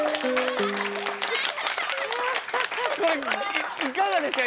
これいかがですか？